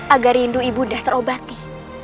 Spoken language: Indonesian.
agar rindu ibu dah terobati